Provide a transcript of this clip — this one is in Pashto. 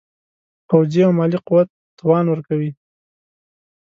پوځي او مالي قوت توان ورکوي.